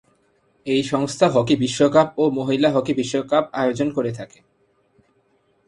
এই সংস্থা হকি বিশ্বকাপ ও মহিলা হকি বিশ্বকাপ আয়োজন করে থাকে।